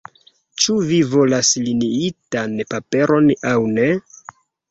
Ĉu vi volas liniitan paperon aŭ ne?